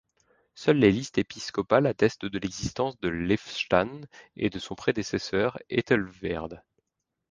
Seules les listes épiscopales attestent de l'existence de Leofstan et de son prédécesseur Æthelweard.